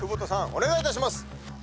お願いいたします。